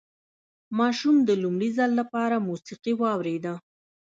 ماشوم د لومړي ځل لپاره موسيقي واورېده.